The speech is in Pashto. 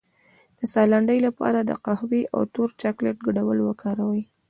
د ساه لنډۍ لپاره د قهوې او تور چاکلیټ ګډول وکاروئ